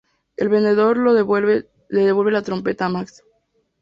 El vendedor le devuelve la trompeta a Max.